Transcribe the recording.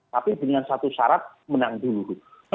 tapi dengan satu syarat menang dulu